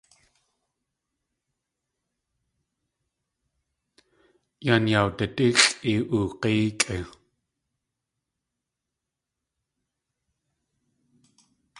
Yan yawditʼíxʼ oog̲éekʼi.